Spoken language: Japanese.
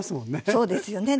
そうですよね。